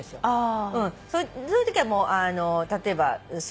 そういうときは例えばそうだな。